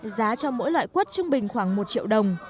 giá cho mỗi loại quất trung bình khoảng một triệu đồng